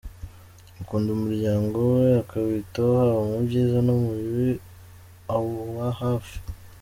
Akunda umuryango we, akawitaho haba mu byiza no mu bibi, awuba ahafi.